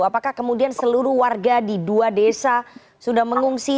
apakah kemudian seluruh warga di dua desa sudah mengungsi